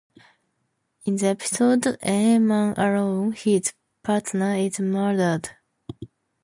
In the episode "A Man Alone" his partner is murdered.